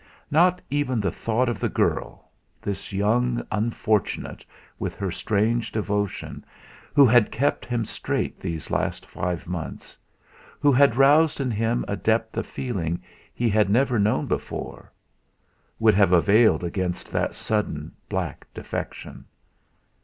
Not even the thought of the girl this young unfortunate with her strange devotion, who had kept him straight these last five months, who had roused in him a depth of feeling he had never known before would have availed against that sudden black defection.